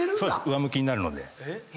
上向きになるので。